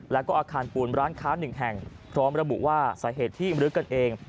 แล้วก็อาคารปูนร้านค้าหนึ่งแห่งพร้อมระบุว่าสาเหตุที่มรื้อกันเอง